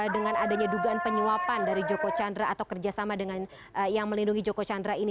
dengan adanya dugaan penyuapan dari joko chandra atau kerjasama dengan yang melindungi joko chandra ini